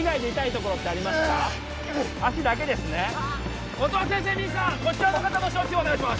こちらの方の処置をお願いします